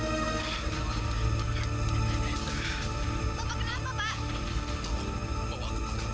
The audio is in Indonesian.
tidak aku sakit lagi